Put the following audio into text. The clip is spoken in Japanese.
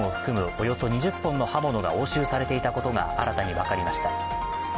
およそ２０本の刃物が押収されていたことが新たに分かりました。